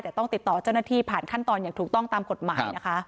แต่ต้องติดต่อเจ้าหน้าที่ผ่านขั้นตอนอย่างถูกต้องตามกฎหมายนะคะ